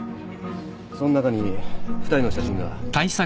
その中に２人の写真が。